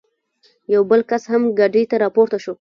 یو بل کس هم ګاډۍ ته را پورته شو.